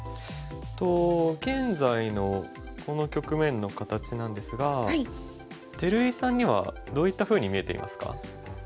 現在のこの局面の形なんですが照井さんにはどういったふうに見えていますか？